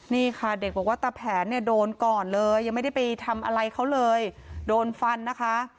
นี่ค่ะเด็กบอกว่าตะแผนเนี่ยโดนก่อนเลยยังไม่ได้ไปทำอะไรเขาเลยโดนฟันนะคะ